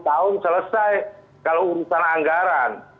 lima sepuluh tahun selesai kalau urusan anggaran